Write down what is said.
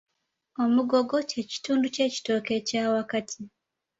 Omugogo, kye kitundu ky'ekitooke ekya wakati.